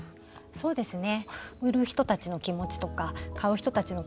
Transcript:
そうですね。